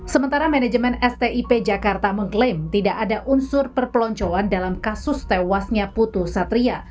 sementara manajemen stip jakarta mengklaim tidak ada unsur perpeloncoan dalam kasus tewasnya putu satria